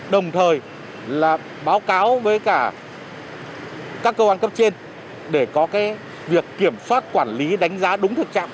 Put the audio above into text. đồng thời là báo cáo với cả các cơ quan cấp trên để có việc kiểm soát quản lý đánh giá đúng thực trạng